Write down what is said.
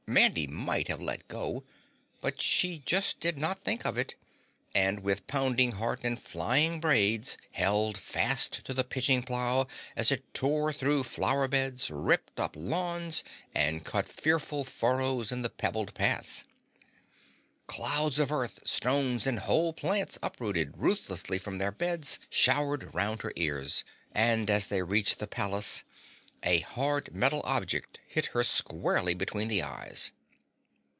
Mandy might have let go, but she just did not think of it, and with pounding heart and flying braids held fast to the pitching plough as it tore through flower beds, ripped up lawns and cut fearful furrows in the pebbled paths. Clouds of earth, stones and whole plants uprooted ruthlessly from their beds showered round her ears, and as they reached the palace, a hard metal object hit her squarely between the eyes.